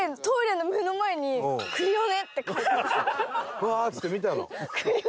「うわあ」っつって見たの？